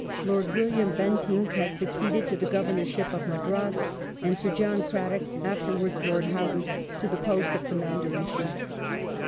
Lord WilKam Bentinck had suc ceeded to the Governorship of Madras, and Sir John Cradock, afterwards Lord Howden, to the post of Com mander in Chief.